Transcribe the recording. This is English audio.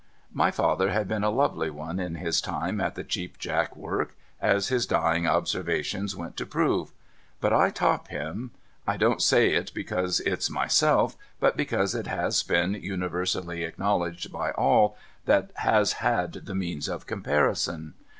My father had been a lovely one in his time at the Cheap Jack work, as his dying observations went to prove. But I top him. I don't say it because it's myself, but because it has been universally acknowledged by all that has had the means of comparison.